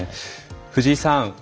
藤井さん。